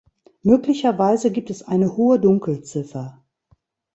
Möglicherweise gibt es eine hohe Dunkelziffer.